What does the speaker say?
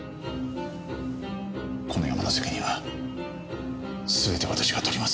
このヤマの責任は全て私が取ります。